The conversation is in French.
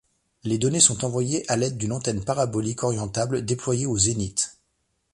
Les données sont envoyées à l'aide d'une antenne parabolique orientable déployée au zénith.